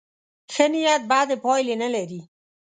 ښه نیت بدې پایلې نه لري.